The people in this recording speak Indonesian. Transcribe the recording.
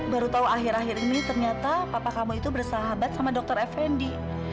baru tahu akhir akhir ini ternyata papa kamu itu bersahabat sama dokter effendi